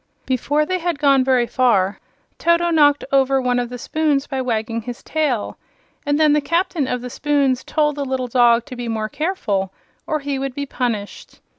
Before they had gone very far Toto knocked over one of the spoons by wagging his tail, and then the Captain of the Spoons told the little dog to be more careful, or he would be punished.